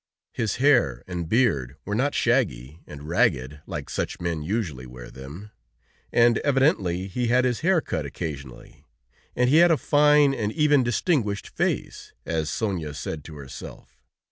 His hair and beard were not shaggy and ragged, like such men usually wear them, and evidently he had his hair cut occasionally, and he had a fine, and even distinguished face, as Sonia said to herself.